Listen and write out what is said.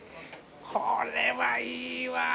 これはいいわー。